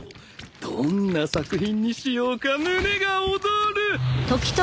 どんな作品にしようか胸が躍る！